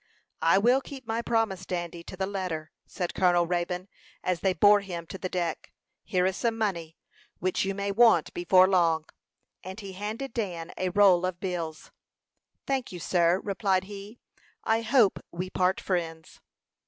"I will keep my promise, Dandy, to the letter," said Colonel Raybone, as they bore him to the deck. "Here is some money, which you may want before long;" and he handed Dan a roll of bills. "Thank you, sir," replied he. "I hope we part friends."